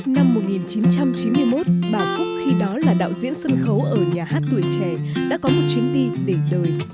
năm một nghìn chín trăm chín mươi một bà phúc khi đó là đạo diễn sân khấu ở nhà hát tuổi trẻ đã có một chuyến đi để đời